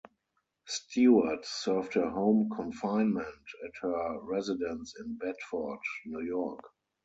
Stewart served her home confinement at her residence in Bedford, New York.